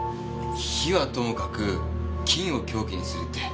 火はともかく金を凶器にするって？